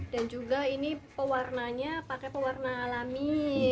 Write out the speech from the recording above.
dan juga ini pewarna nya pakai pewarna alami